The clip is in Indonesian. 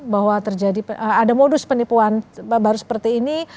bahwa terjadi ada modus penipuan baru seperti ini